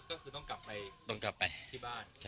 ก็คือต้องกลับไปที่บ้าน